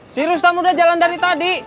si rusta muda jalan dari tadi